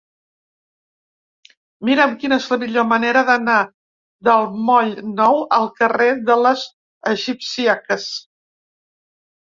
Mira'm quina és la millor manera d'anar del moll Nou al carrer de les Egipcíaques.